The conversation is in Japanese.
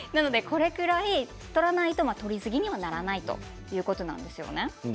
これぐらいとらないととりすぎにはならないということです。